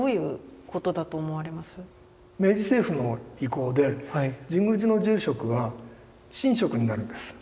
明治政府の意向で神宮寺の住職は神職になるんです。